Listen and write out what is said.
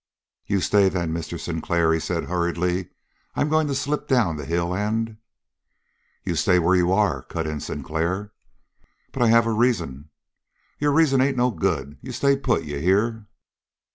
"You stay, then, Mr. Sinclair," he said hurriedly. "I'm going to slip down the hill and " "You stay where you are!" cut in Sinclair. "But I have a reason." "Your reasons ain't no good. You stay put. You hear?"